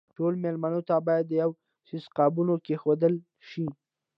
ټولو مېلمنو ته باید د یوه سایز قابونه کېښودل شي.